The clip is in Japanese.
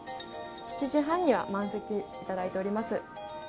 ７時半には満席いただいております。